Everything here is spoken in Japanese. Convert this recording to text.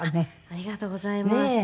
ありがとうございます。